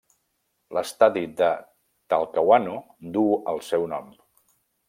L'estadi de Talcahuano duu el seu nom.